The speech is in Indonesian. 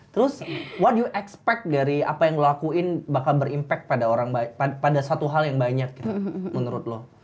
terus apa yang lo harapkan dari apa yang lo lakuin bakal berimpak pada suatu hal yang banyak menurut lo